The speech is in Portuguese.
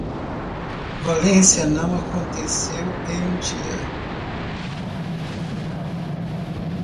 Valência não aconteceu em um dia.